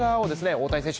大谷選手